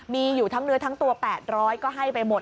มีอยู่ทั้งเนื้อทั้งตัว๘๐๐ก็ให้ไปหมด